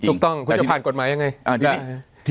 ถูกต้องคุณจะผ่านกฎหมายยังไง